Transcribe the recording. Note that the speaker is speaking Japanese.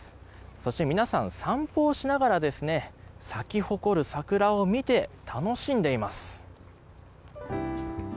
そして皆さん、散歩をしながら咲き誇る桜を見て楽しんでいます。